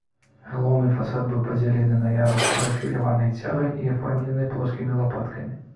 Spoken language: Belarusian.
Галоўны фасад быў падзелены на ярусы прафіляванай цягай і аформлены плоскімі лапаткамі.